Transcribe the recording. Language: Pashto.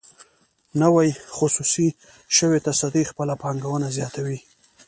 نوې خصوصي شوې تصدۍ خپله پانګونه زیاتوي.